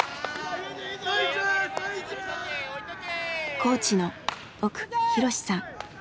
コーチの奥裕史さん。